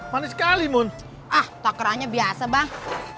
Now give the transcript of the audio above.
manis sekali mon ah takrahnya biasa bang